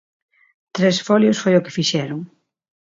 Tres folios foi o que fixeron.